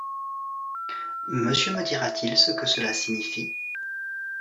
Monsieur me dira-t-il ce que cela signifie ?